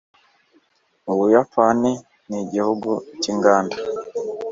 ubuyapani nigihugu cyinganda